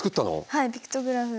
はいピクトグラム